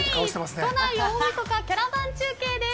都内大みそかキャラバン中継です。